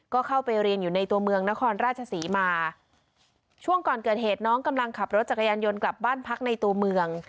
ก็เข้าไปเรียนอยู่ในตัวเมืองนครราชศรีมาช่วงก่อนเกิดเหตุน้องกำลังขับรถจักรยานยนต์กลับบ้านพักในตัวเมือง